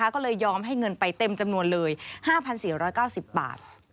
ก็เลยยอมให้เงินไปเต็มจำนวนเลย๕๔๙๐บาท